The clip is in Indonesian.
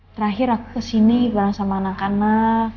terakhir aku kesini bareng sama anak anak